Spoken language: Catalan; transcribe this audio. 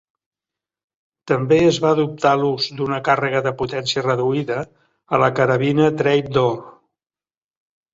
També es va adoptar l'ús d'una càrrega de potència reduïda a la carabina "trapdoor".